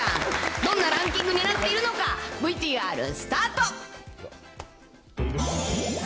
どんなランキングになっているのか、ＶＴＲスタート。